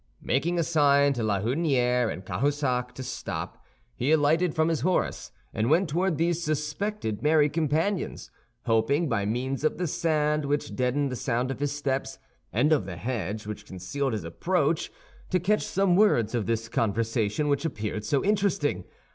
Making a sign to La Houdinière and Cahusac to stop, he alighted from his horse, and went toward these suspected merry companions, hoping, by means of the sand which deadened the sound of his steps and of the hedge which concealed his approach, to catch some words of this conversation which appeared so interesting.